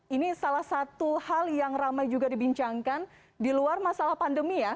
ini salah satu hal yang ramai juga dibincangkan di luar masalah pandemi ya